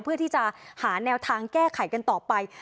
เพื่อที่จะหาแนวทางแก้ไขกันต่อไป